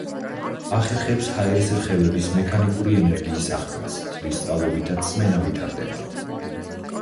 ახერხებს ჰაერის რხევების მექანიკური ენერგიის აღქმას, რის წყალობითაც სმენა ვითარდება.